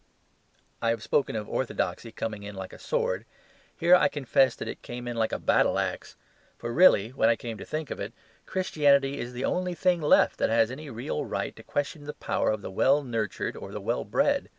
I have spoken of orthodoxy coming in like a sword; here I confess it came in like a battle axe. For really (when I came to think of it) Christianity is the only thing left that has any real right to question the power of the well nurtured or the well bred.